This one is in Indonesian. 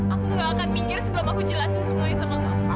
aku gak akan minggir sebelum aku jelasin semuanya sama kamu